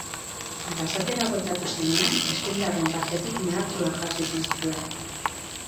Arrasatera bueltatu zenean eskuindarren partetik mehatxuak jaso izan zituen.